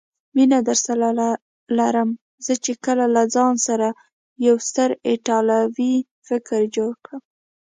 مینه درسره لرم، زه چې کله له ځانه یو ستر ایټالوي مفکر جوړ کړم.